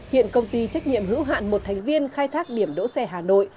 hiện công ty trách nhiệm hữu hạn một thành viên khai thác điểm đỗ xe hà nội